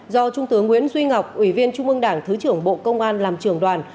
do trung tướng nguyễn duy ngọc ủy viên trung ương đảng thứ trưởng bộ công an làm trường đoàn